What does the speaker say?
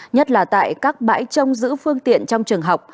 nhất là tại các bãi trông giữ phương tiện trong trường học